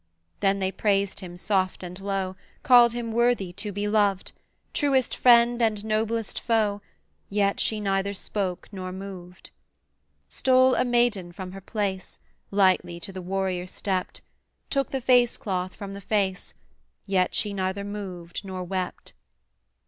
Then they praised him, soft and low, Called him worthy to be loved, Truest friend and noblest foe; Yet she neither spoke nor moved. Stole a maiden from her place, Lightly to the warrior stept, Took the face cloth from the face; Yet she neither moved nor wept.